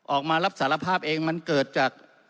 ออกมารับสารภาพเองมันเกิดจาก